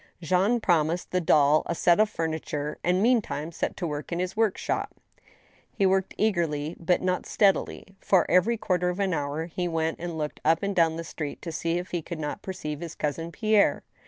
Jean promised the doll a set of furniture, and meantime set to work in his workshop. 88 THE STEEL HAMMER. He worked eagerly, but not steadily, for every quarter of an hour he went and looked up and down the street to see if he could not per ceive his cousin Pierre.